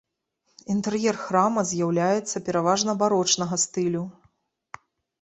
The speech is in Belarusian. Інтэр'ер храма з'яўляецца пераважна барочнага стылю.